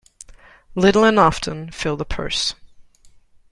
Little and often fill the purse.